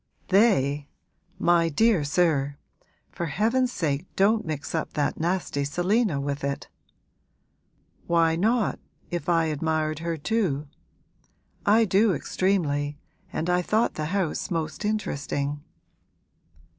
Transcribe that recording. '"They," my dear sir! For heaven's sake don't mix up that nasty Selina with it!' 'Why not, if I admired her too? I do extremely, and I thought the house most interesting.'